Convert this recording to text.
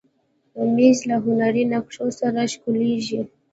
مېز له هنري نقشو سره ښکليږي.